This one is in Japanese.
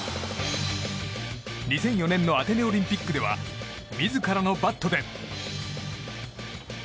２００４年のアテネオリンピックでは自らのバットで。